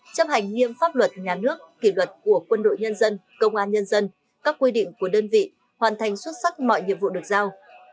chấp hành nghiêm pháp luật nhà nước kỷ luật của quân đội nhân dân công an nhân dân các quy định của đơn vị hoàn thành xuất sắc mọi nhiệm vụ được giao